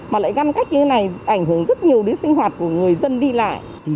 mà lại ngăn cách như thế này ảnh hưởng rất nhiều đến sinh hoạt của người dân đi lại